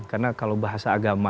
karena kalau bahasa agama